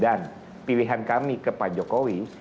dan pilihan kami kepada pak jokowi